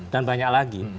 dan banyak lagi